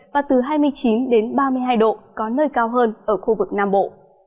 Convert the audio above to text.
và từ hai mươi chín đến ba mươi hai độ có nơi cao hơn ở khu vực nam bộ